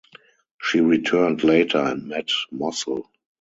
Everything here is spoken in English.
She returned later and met Mossell.